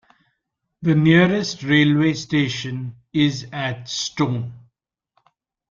The nearest railway station is at Stone.